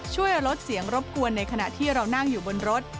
ช่วยลดเสียงรบกวนในขณะที่เรานั่งอยู่บนรถ